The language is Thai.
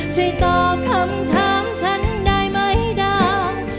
ช่วยตอบคำถามฉันได้ไหมดาว